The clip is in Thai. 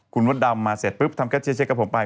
คุณมดดำมาเสร็จปุ๊บทำแคทเชียร์เช็คกับผมไป